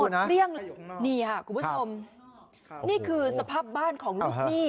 หมดเครื่องเลยนี่ค่ะคุณผู้ชมนี่คือสภาพบ้านของลูกหนี้